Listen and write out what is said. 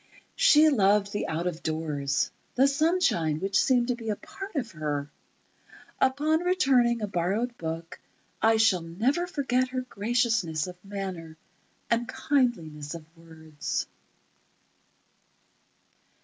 She loved the out of doors—the sunshine, which seemed to be a part of her.... Upon returning a borrowed book, I shall never forget her graciousness of manner and kindliness of words....